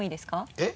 えっ？